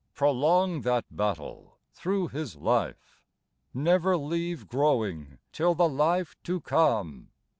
. Prolong that battle through his life ! Never leave growing till the life to come